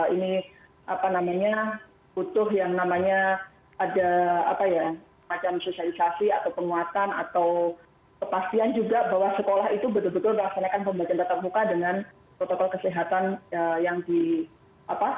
ini apa namanya butuh yang namanya ada macam sosialisasi atau penguatan atau kepastian juga bahwa sekolah itu betul betul melaksanakan pembelajaran tetap muka dengan protokol kesehatan yang di apa